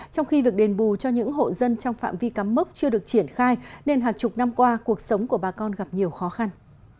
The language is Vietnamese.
trong khi việc đền bù cho những hộ dân trong phạm vi cắm mốc chưa được triển khai nên hàng chục năm qua cuộc sống của bà con gặp nhiều khó khăn